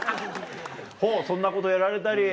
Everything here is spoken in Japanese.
ほうそんなことやられたり。